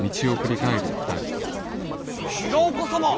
平岡様！